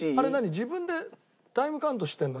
自分でタイムカウントしてるの？